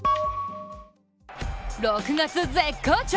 ６月絶好調！